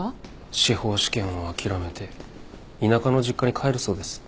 司法試験を諦めて田舎の実家に帰るそうです。